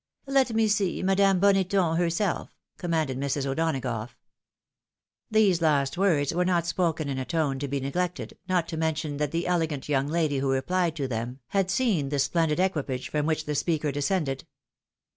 " Let me see Madame Boneton herself," commanded Mrs. O'Donagough. These last words were not spoken in a tone to be neglected, not to mention that the elegant young lady who replied to them had seen the splendid equipage from which the speaker descended.